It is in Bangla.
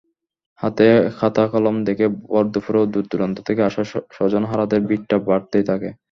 হাতে খাতা-কলম দেখে ভরদুপুরেও দূর-দূরান্ত থেকে আসা স্বজনহারাদের ভিড়টা বাড়তেই থাকে।